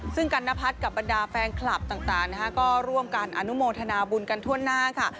ซึ่งกันนพัฒน์กับบรรดาแฟนคลับต่างก็ร่วมกันอนุโมทนาบุญกันทั่วหน้าค่ะ